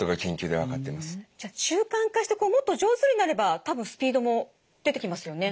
じゃあ習慣化してもっと上手になれば多分スピードも出てきますよね。